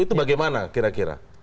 itu bagaimana kira kira